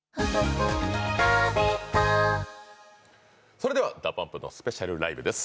それではＤＡＰＵＭＰのスペシャルライブです！